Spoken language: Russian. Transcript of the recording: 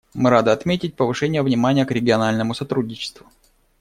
Мы рады отметить повышение внимания к региональному сотрудничеству.